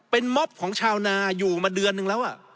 เป็นม็อบของชาวนาอยู่มาเดือนนึงแล้ว